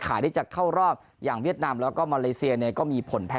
ขายได้จากเข้ารอบอย่างเวียดนามแล้วก็มาเลเซียในก็มีผลแพ้